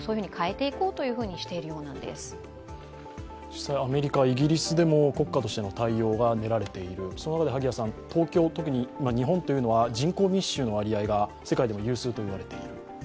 実際、アメリカ、イギリスでも国家として対応が練られているそのうえで萩谷さん、東京、特に日本というのは人口密集の割合が世界でも有数と言われている。